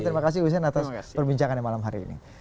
terima kasih hussein atas perbincangannya malam hari ini